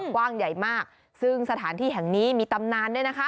กว้างใหญ่มากซึ่งสถานที่แห่งนี้มีตำนานด้วยนะคะ